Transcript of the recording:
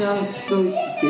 mà nội của người việt